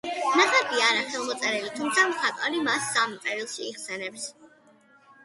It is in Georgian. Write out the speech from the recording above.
ნახატი არაა ხელმოწერილი, თუმცა მხატვარი მას სამ წერილში იხსენიებს.